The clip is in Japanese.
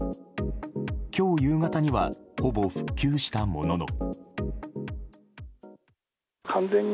今日夕方にはほぼ復旧したものの。